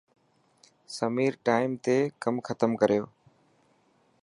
سمير ٽائم تي ڪم ختم ڪريو.